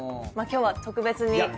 今日は特別に。